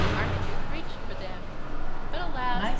Marmaduke reached for them. But alas!